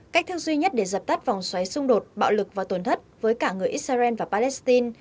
cách thức duy nhất để dập tắt vòng xoáy xung đột bạo lực và tổn thất với cả người israel và palestine